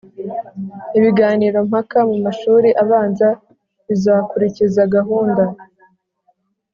ibiganiro mpaka mu mashuri abanza bizakurikiza gahunda